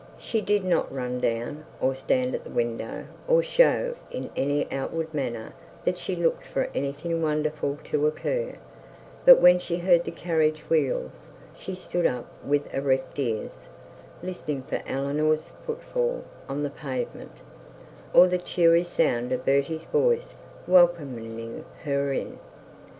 She did not run down or stand at the window, or show in any outward manner that she looked for anything wonderful to occur; but, when she heard the carriage wheels, she stood up with erect ears, listening for Eleanor's footfall on the pavement or the cheery sound of Bertie's voice welcoming her in.